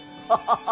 ハハハ。